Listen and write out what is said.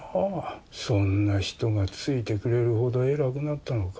そんな人がついてくれるほど偉くなったのか。